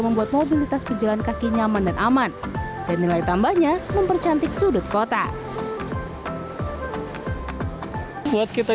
membuat mobilitas pejalan kaki nyaman dan aman dan nilai tambahnya mempercantik sudut kota buat kita